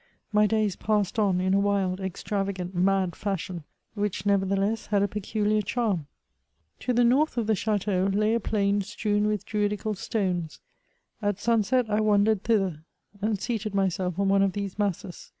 My days passed on in a wild, extravagant, mad fashion— which nevertheless had a peculiar charm. To the north of the chdteau lay a plain strewn with druidical stones; at sunset I wandered thither, and seated myself on one of these masses.